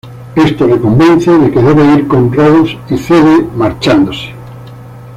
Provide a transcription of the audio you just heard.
Esto le convence de que debe ir con Rose, y cede, marchándose.